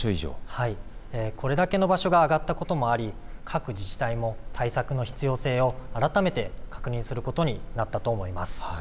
これだけの場所が挙がったこともあり各自治体も対策の必要性を改めて確認することになったと思います。